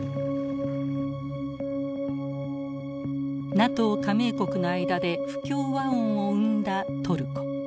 ＮＡＴＯ加盟国の間で不協和音を生んだトルコ。